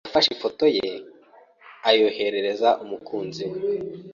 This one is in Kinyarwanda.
yafashe ifoto ye ayyoherereza umukunzi we.